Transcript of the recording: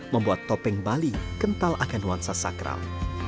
membuat topeng bali kental akan nuansa sakral